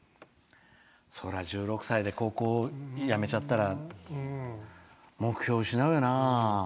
そりゃ１６歳で高校辞めちゃったら目標失うよな。